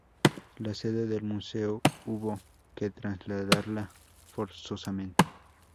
La sede del Museo hubo que trasladarla forzosamente.